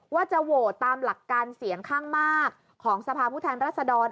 ว่าจะโหวตตามหลักการเสียงข้างมากของสภาพผู้แทนรัศดร